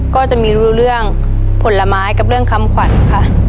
ก็จะมีรู้เรื่องผลไม้กับเรื่องคำขวัญค่ะ